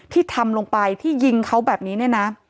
ที่ทำลงไปที่ยิงเขาแบบนี้เนี่ยนะ